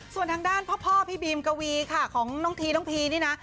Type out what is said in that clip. ส่วนทางด้านพ่อพี่บีมกวีค่ะของน้องทีน้องพีนี่นะ